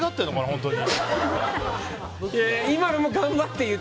本当に。